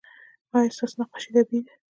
ایا ستاسو نقاشي طبیعي ده؟